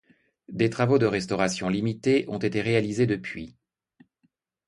Des travaux de restauration limités ont été réalisés depuis.